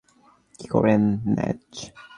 কি ধরনের নাচ?